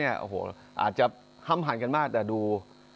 และในการโชครั้งอาจจะห้ำหันกันมากแต่ดู